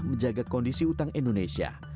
menjaga kondisi utang indonesia